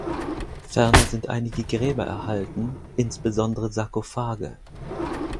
Ferner sind einige Gräber erhalten, insbesondere Sarkophage.